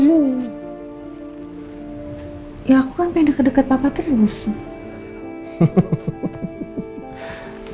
sampai dekat dekat papa tuh busa